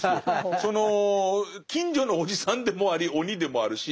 その近所のおじさんでもあり鬼でもあるし。